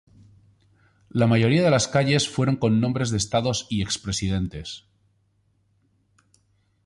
La mayoría de las calles fueron con nombres de estados y expresidentes.